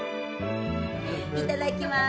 いただきます